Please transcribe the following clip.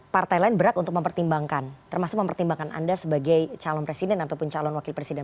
partai lain berhak untuk mempertimbangkan termasuk mempertimbangkan anda sebagai calon presiden ataupun calon wakil presiden